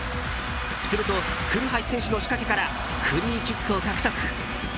すると、古橋選手の仕掛けからフリーキックを獲得。